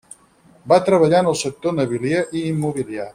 Va treballar en el sector navilier i immobiliari.